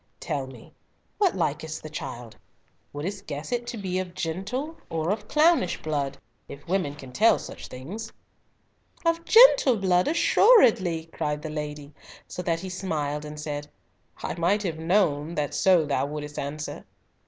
Tell me—what like is the child? Wouldst guess it to be of gentle, or of clownish blood, if women can tell such things?" "Of gentle blood, assuredly," cried the lady, so that he smiled and said, "I might have known that so thou wouldst answer."